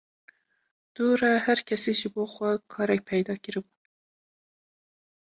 Dû re her kesî ji bo xwe karek peyda kiribû